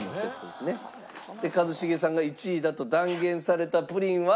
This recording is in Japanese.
で一茂さんが１位だと断言されたプリンは。